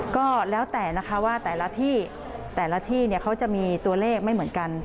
ก็แล้วแต่นะคะว่าแต่ละที่แต่ละที่เขาจะมีตัวเลขไม่เหมือนกัน